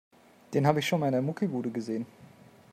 Den habe ich schon mal in der Muckibude gesehen.